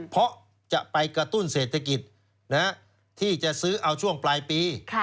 เพราะจะไปกระตุ้นเศรษฐกิจที่จะซื้อเอาช่วงปลายปี